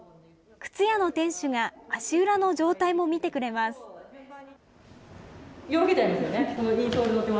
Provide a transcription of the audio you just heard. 靴屋の店主が足裏の状態も見てくれます。